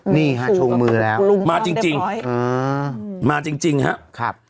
ดูหูกดบูดต้มเต็มปล่อย